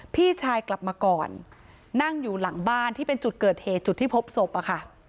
พี่ชายกลับมาก่อนนั่งอยู่หลังบ้านที่เป็นจุดเกิดเหตุจุดที่พบศพอะค่ะ